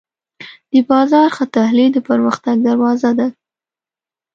د بازار ښه تحلیل د پرمختګ دروازه ده.